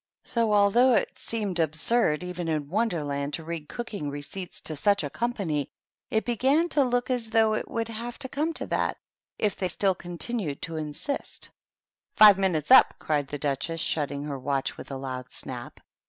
So, although it seemed absurd, even in Wonderland, to read 72 THE TEA TABLE. cooking receipts to such a company, it began to look as though it would have to come to that if they still continued to insist. " Five minutes up !" cried the Duchess, shutting her watch with a loud snap.